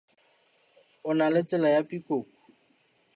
O na le tsela ya pikoko.